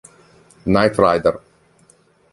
Knight Rider